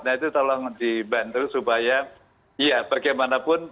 nah itu tolong dibantu supaya ya bagaimanapun